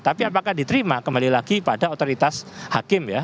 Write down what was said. tapi apakah diterima kembali lagi pada otoritas hakim ya